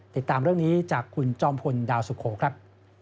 ติดตามเรื่องนี้จากคุณจอมพลดาวสุโขครับ